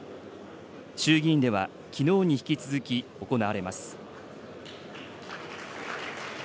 衆議院では、きのうに引き続き行われます。